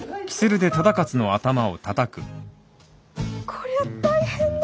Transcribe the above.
こりゃ大変だ。